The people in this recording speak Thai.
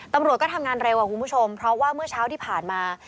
ตำรวจก็ทำงานเร็วคุณผู้ชมเพราะว่าเมื่อเช้าที่ผ่านมา